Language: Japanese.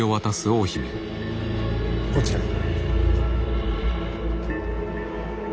こちらへ。